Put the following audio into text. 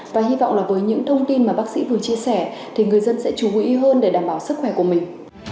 và hy vọng là với những thông tin mà bác sĩ vừa chia sẻ thì người dân sẽ chú ý hơn để đảm bảo sức khỏe của mình